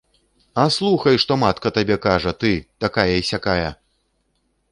А слухай, што матка табе кажа, ты, такая і сякая!